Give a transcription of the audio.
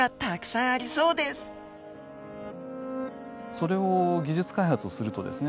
それを技術開発をするとですね